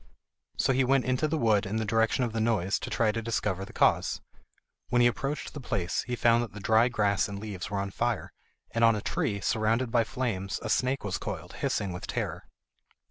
So he went into the wood in the direction of the noise to try to discover the cause. When he approached the place he found that the dry grass and leaves were on fire, and on a tree, surrounded by flames, a snake was coiled, hissing with terror.